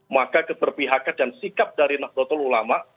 maka keberpihakan dan sikap dari nahdlatul ulama